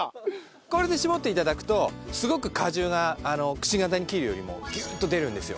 これで搾って頂くとすごく果汁がくし形に切るよりもギューッと出るんですよ。